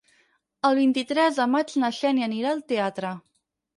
El vint-i-tres de maig na Xènia anirà al teatre.